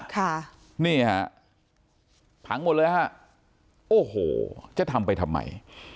ค่ะนี่ฮะพังหมดเลยฮะโอ้โหจะทำไปทำไม